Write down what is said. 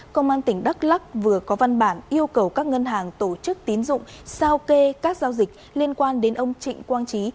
công an tỉnh đắk lắc vừa có văn bản yêu cầu các ngân hàng tổ chức tín dụng sao kê các giao dịch liên quan đến ông trịnh quang trí